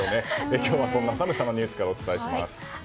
今日はそんな寒さのニュースからお伝えします。